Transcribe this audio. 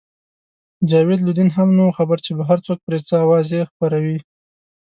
جاوید لودین هم نه وو خبر چې بهر څوک پرې څه اوازې خپروي.